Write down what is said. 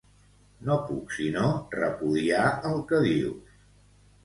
No puc sinó repudiar el que dius.